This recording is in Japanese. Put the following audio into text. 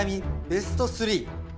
ベスト３。